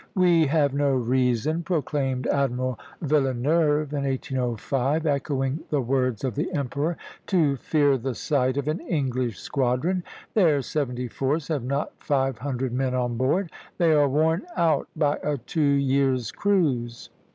"We have no reason," proclaimed Admiral Villeneuve in 1805, echoing the words of the emperor, "to fear the sight of an English squadron. Their seventy fours have not five hundred men on board; they are worn out by a two years' cruise."